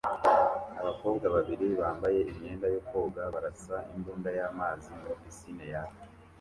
Abakobwa babiri bambaye imyenda yo koga barasa imbunda y'amazi muri pisine yaka